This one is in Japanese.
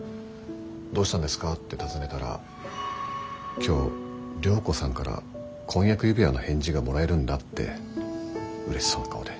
「どうしたんですか？」って尋ねたら「今日涼子さんから婚約指輪の返事がもらえるんだ」ってうれしそうな顔で。